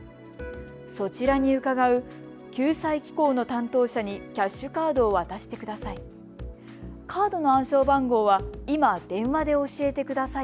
そちらに伺う救済機構の担当者にキャッシュカードを渡してください。